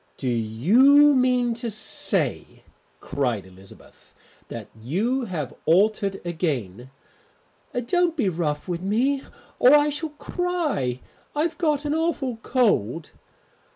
"Do you mean to say," cried Elizabeth, "that you have altered again?" "Don't be rough with me or I shall cry. I've got an awful cold."